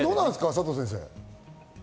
佐藤先生。